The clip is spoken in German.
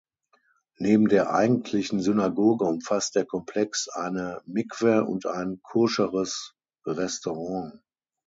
Neben der eigentlichen Synagoge umfasst der Komplex eine Mikwe und ein koscheres Restaurant.